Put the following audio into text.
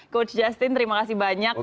coach justin terima kasih banyak